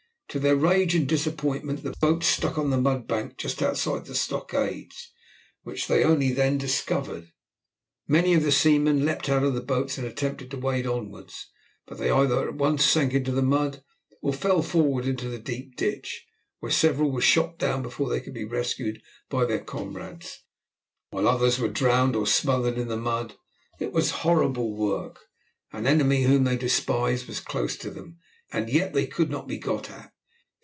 To their rage and disappointment, the boats stuck on the mudbank just outside the stockades, which they only then discovered. Many of the seamen leaped out of the boats and attempted to wade onwards, but they either at once sank into the mud or fell forward into the deep ditch, where several were shot down before they could be rescued by their comrades, while others were drowned or smothered in the mud. It was horrible work. An enemy whom they despised was close to them, and yet could not be got at.